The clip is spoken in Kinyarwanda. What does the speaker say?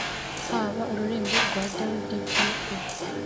haba ururembo rwa Dawidi bwite.